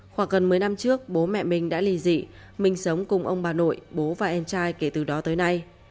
khoảng gần mấy năm trước bố mẹ minh đã lì dị minh sống cùng ông bà nội bố và em trai kể từ đó tới nay